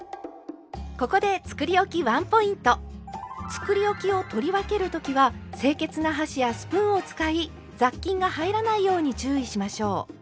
つくりおきを取り分けるときは清潔な箸やスプーンを使い雑菌が入らないように注意しましょう。